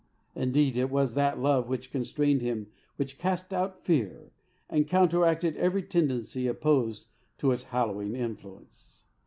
Indeed, it was that love which constrained him, which cast out fear, and counteracted every tendency opposed to its hallowing influence."